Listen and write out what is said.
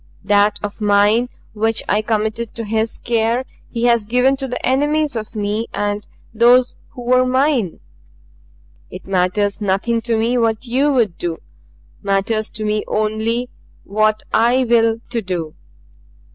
That of MINE which I committed to his care he has given to the enemies of me and those who were mine. It matters nothing to me what YOU would do. Matters to me only what I will to do."